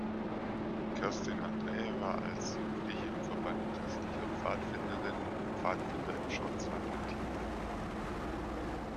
Kerstin Andreae war als Jugendliche im Verband Christlicher Pfadfinderinnen und Pfadfinder im Schwarzwald aktiv.